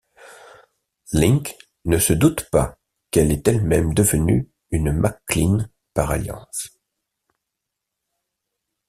Linc ne se doute pas qu'elle est elle-même devenue une Macklin par alliance...